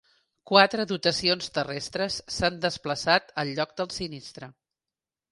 Quatre dotacions terrestres s'han desplaçat al lloc del sinistre.